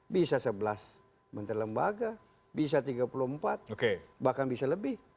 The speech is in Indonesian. bisa sebelas menteri lembaga bisa tiga puluh empat bahkan bisa lebih